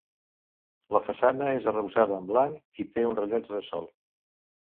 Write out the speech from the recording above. La façana és arrebossada en blanc i té un rellotge de sol.